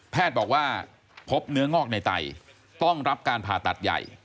บอกว่าพบเนื้องอกในไตต้องรับการผ่าตัดใหญ่